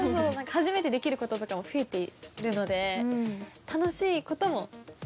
初めてできる事とかも増えているので楽しい事も。